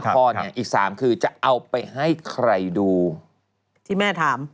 พ่อเนี่ยอีก๓คือจะเอาไปให้ใครดูที่แม่ถาม